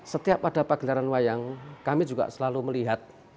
setiap ada pagelaran wayang kami juga selalu melihat